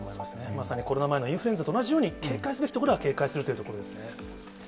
まさにコロナ前のインフルエンザと同じように、警戒すべきところは警戒するというところですね。